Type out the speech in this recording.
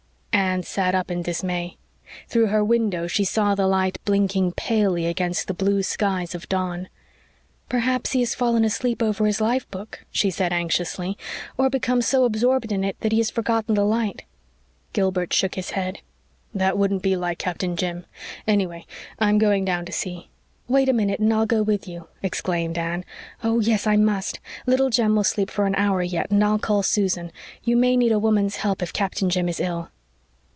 Anne sat up in dismay. Through her window she saw the light blinking palely against the blue skies of dawn. "Perhaps he has fallen asleep over his life book," she said anxiously, "or become so absorbed in it that he has forgotten the light." Gilbert shook his head. "That wouldn't be like Captain Jim. Anyway, I'm going down to see." "Wait a minute and I'll go with you," exclaimed Anne. "Oh, yes, I must Little Jem will sleep for an hour yet, and I'll call Susan. You may need a woman's help if Captain Jim is ill."